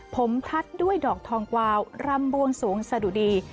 ผมทัดด้วยดอกทองกวาวรำบวงสวงสะดุดี